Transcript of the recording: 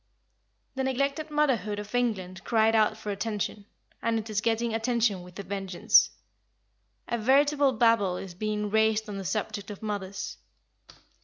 The neglected motherhood of England cried out for attention, and it is getting attention with a vengeance. A veritable Babel is being raised on the subject of mothers.